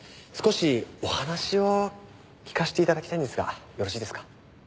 少しお話を聞かせて頂きたいんですがよろしいですか？